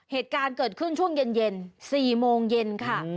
เหตุการณ์เกิดขึ้นช่วงเย็น๔โมงเย็นค่ะ